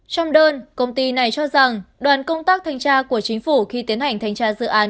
trong đơn công ty này cho rằng đoàn công tác thanh tra của chính phủ khi tiến hành thanh tra dự án